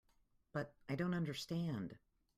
But I don't understand.